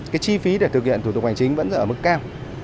cái chi phí để thực hiện thủ tục hành chính vẫn ở mức cao